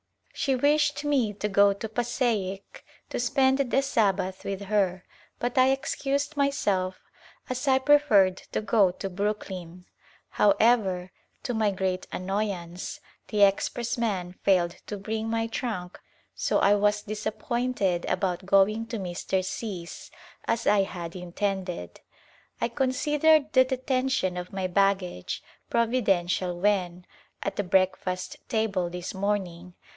She wished me to go to Pas saic to spend the Sabbath with her but I excused my self as I preferred to go to Brooklyn ; however, to my great annoyance the expressman failed to bring my trunk so I was disappointed about going to Mr. C 's as I had intended. I considered the detention of my baggage providential when, at the breakfast table this morning.